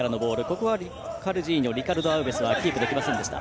ここはリカルド・アウベスがキープできませんでした。